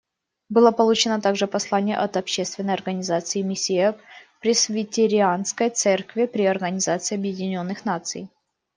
Было получено также послание от общественной организации Миссия Пресвитерианской церкви при Организации Объединенных Наций.